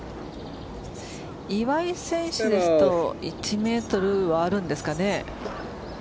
岩井選手ですと１メートルはあるんですかね。